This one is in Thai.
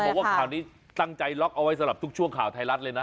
ว่าข่าวนี้ตั้งใจล็อกเอาไว้สำหรับทุกช่วงข่าวไทยรัฐเลยนะ